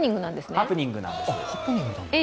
ハプニングなんです。